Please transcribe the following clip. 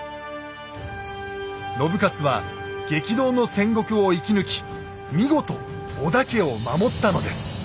信雄は激動の戦国を生き抜き見事織田家を守ったのです。